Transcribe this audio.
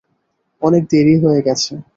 অনেক দেরি হয়ে গেছে।